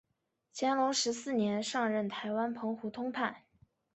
乾隆十四年上任台湾澎湖通判。